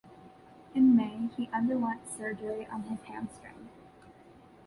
In May, he underwent surgery on his hamstring.